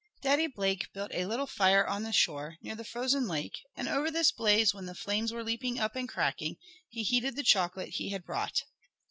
Daddy Blake built a little fire on the shore, near the frozen lake, and over this blaze, when the flames were leaping up, and cracking, he heated the chocolate he had brought.